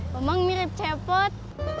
memang mirip cepot